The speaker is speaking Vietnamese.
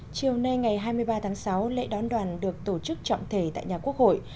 chiều nay ngày hai mươi ba tháng sáu lễ đón đoàn được tổ chức trọng thể tại nhà quốc hội